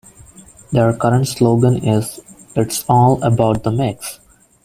Their current slogan is "It's all about the mix".